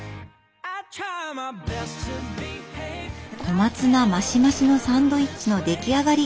小松菜マシマシのサンドイッチの出来上がり。